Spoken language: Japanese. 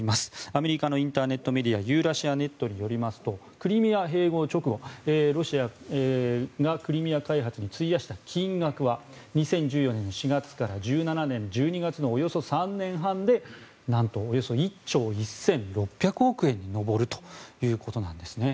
アメリカのインターネットメディアユーラシアネットによりますとクリミア併合直後ロシアがクリミア開発に費やした金額は２０１４年４月から２０１７年１２月のおよそ３年半でおよそ１兆１６００億円に上るということです。